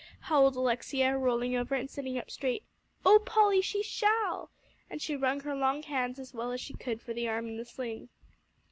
howled Alexia, rolling over, and sitting up straight. "Oh Polly, she shall!" and she wrung her long hands as well as she could for the arm in the sling.